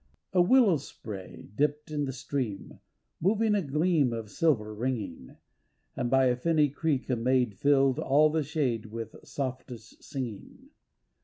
A willow spray dipped in the stream, Moving a gleam of silver ringing, And by a finny creek a maid Filled all the shade with softest singing.